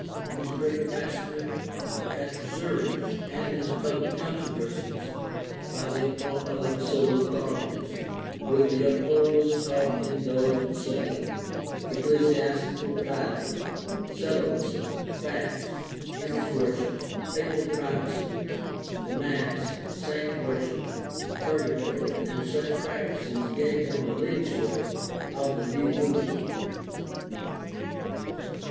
His great pastorate at Zurich and his public controversies, by the appointment of the civil authorities, with the upholders of indulgence selling, ecclesiastical tithing, celibacy, fasts, image worship, papal primacy, the mass, saint worship, purga tory, and such practices gave him the leadership of the new movement.